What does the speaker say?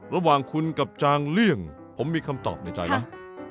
ระหว่างคุณกับจางเลี่ยงผมมีคำตอบในใจไหม